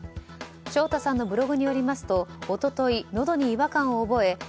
昇太さんのブログによりますと一昨日のどに違和感を覚え